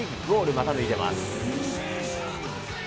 また抜いてます。